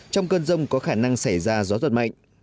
trong cơn rông có khả năng xảy ra gió giật mạnh